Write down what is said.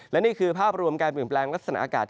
และนี่คือภาพรวมการเปลี่ยนแปลงลักษณะอากาศ